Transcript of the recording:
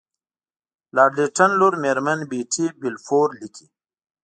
لارډ لیټن لور میرمن بیټي بالفور لیکي.